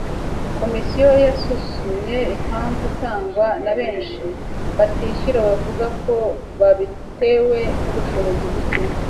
Komisiyo yasuzumye impamvu itangwa na benshi batishyura bavuga ko babitewe n ubushobozi buke